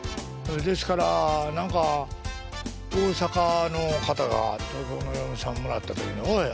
ですから何か大阪の方が東京の嫁さんもらった時に「おい」